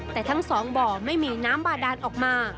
แต่ทั้งสองบ่อไม่มีน้ำบาดานออกมา